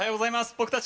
僕たち。